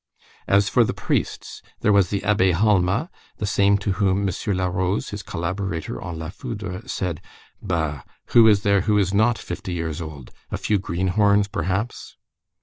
As for the priests, there was the Abbé Halma, the same to whom M. Larose, his collaborator on la Foudre, said: "Bah! Who is there who is not fifty years old? a few greenhorns perhaps?"